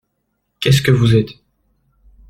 Qu’est-ce que vous êtes ?